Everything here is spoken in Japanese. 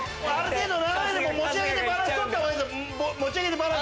斜めでも持ち上げてバランス取った方がいいぞ。